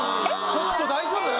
ちょっと大丈夫？